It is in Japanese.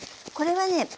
これはね